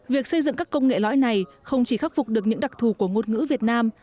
việc xây dựng các công nghệ lõi này không chỉ khắc phục được những đặc thù của ngôn ngữ việt nam